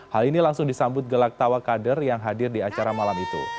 hal ini langsung disambut gelak tawa kader yang hadir di acara malam itu